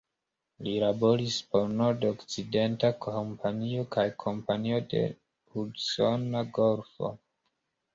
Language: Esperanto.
Li laboris por Nord-Okcidenta Kompanio kaj Kompanio de la Hudsona Golfo.